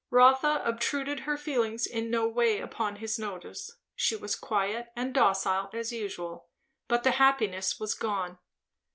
Rotha obtruded her feelings in no way upon his notice; she was quiet and docile as usual. But the happiness was gone.